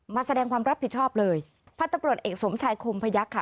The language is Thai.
มาแสดงความรับผิดชอบเลยพันธุ์ตำรวจเอกสมชายคมพยักษ์ค่ะ